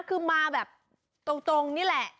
คือมาแบบตรงนี่แหละ